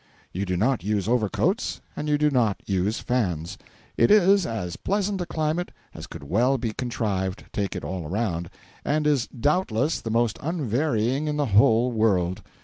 You do not use overcoats and you do not use fans. It is as pleasant a climate as could well be contrived, take it all around, and is doubtless the most unvarying in the whole world.